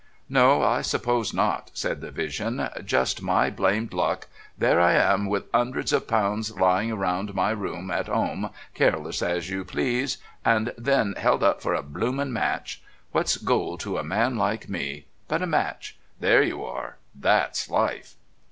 "No, I suppose not," said the vision. "Just my blamed luck. There I am with 'undreds of pounds lying around my room at 'ome careless as you please, and then held up for a bloomin' match. What's gold to a man like me? But a match... there you are... that's life."